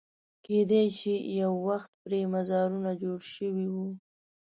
کېدای شي یو وخت پرې مزارونه جوړ شوي وو.